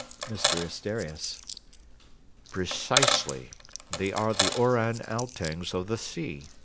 MR ASTERIAS Precisely. They are the oran outangs of the sea.